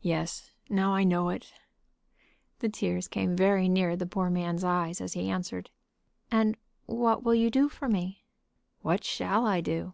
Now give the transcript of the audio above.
"Yes; now I know it." The tears came very near the poor man's eyes as he answered. "And what will you do for me?" "What shall I do?"